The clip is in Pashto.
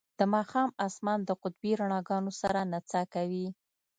د ماښام اسمان د قطبي رڼاګانو سره نڅا کوي